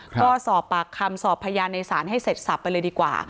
ก็สอบปากคำสอบพยานในศาลให้เสร็จสับไปเลยดีกว่า